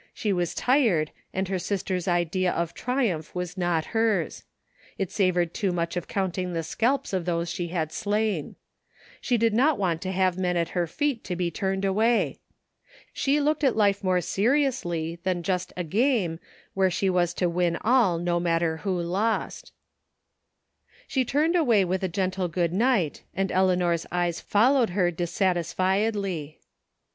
She was tired and her sister's idea of triumph was not hers. It savored too much of counting the scalps of those she had slain. She did not want to have men at her feet to be turned away. She looked at life more seriously than just a game where she was to win all no matter who lost. She ttuTied away with a gentle good night, and Eleanor's eyes followed her dissatisfiedly.